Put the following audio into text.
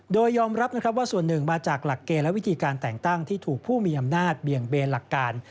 โดยยอมรับนะครับว่าส่วนหนึ่งมาจากหลักเกณฑ์และวิธีการแต่งตั้งที่ถูกผู้มีอำนาจเบี่ยงเบนหลักการ